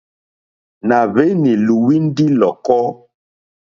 Nà hwenì lùwindi lɔ̀kɔ.